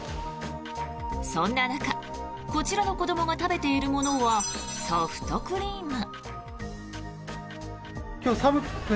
そんな中、こちらの子どもが食べているものはソフトクリーム。